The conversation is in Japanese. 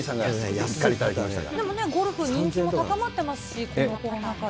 でもゴルフ、人気も高まってますし、このコロナ禍で。